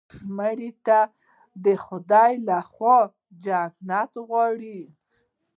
مړه ته د خدای له خوا جنت غواړو